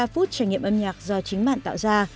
ba trăm ba mươi ba phút trải nghiệm âm nhạc do chính bạn tạo ra